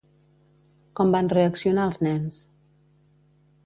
Com van reaccionar els nens?